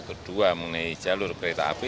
kedua mengenai jalur kereta api